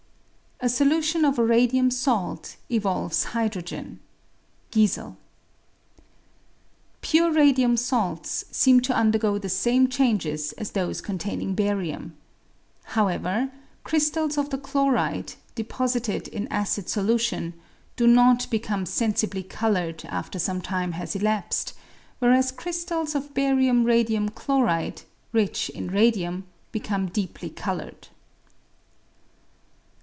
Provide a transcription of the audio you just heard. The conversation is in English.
A solution of a radium salt evolves hydrogen (Giesel). Pure radium salts seem to undergo the same changes as those containing barium. However, crystals of the chloride, deposited in acid solution, do not become sensibly coloured after some time has elapsed, whereas crystals of barium radium chloride, rich in radium, become deeply coloured.